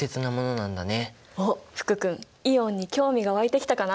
おっ福君イオンに興味が湧いてきたかな？